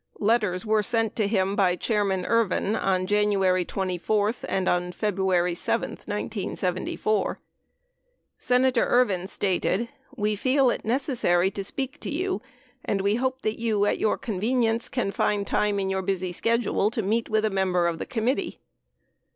Letters were sent to him by Chairman Ervin on J anuary 24, and on February 7, 1974? Senator Ervin stated, "... we feel it necessary to speak to you ..." and "We hope that you, at your convenience, can find time in your busy schedule to meet with a member of the committee."